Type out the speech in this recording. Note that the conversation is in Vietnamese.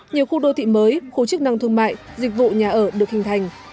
nhiều khu đô thị mới khu chức năng thương mại dịch vụ nhà ở được hình thành